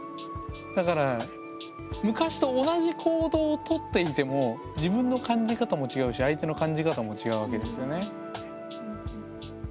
だから昔と同じ行動をとっていても自分の感じ方も違うし相手の感じ方も違うわけですよね。